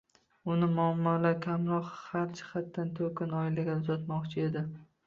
Uni muamolar kamroq, har jihatdan to'kin oilaga uzatmoqchi edi.